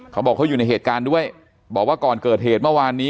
เขาบอกเขาอยู่ในเหตุการณ์ด้วยบอกว่าก่อนเกิดเหตุเมื่อวานนี้